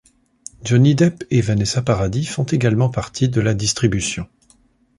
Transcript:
Johnny Depp et Vanessa Paradis font également partie de la distribution.